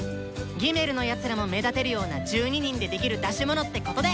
「３」のやつらも目立てるような１２人でできる出し物ってことで！